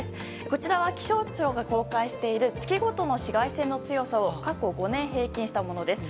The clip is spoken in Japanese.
こちらは気象庁が公開している月ごとの紫外線の強さを過去５年平均したものです。